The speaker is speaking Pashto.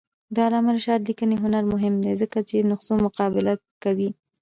د علامه رشاد لیکنی هنر مهم دی ځکه چې نسخو مقابله کوي.